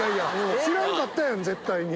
知らんかったやん、絶対に。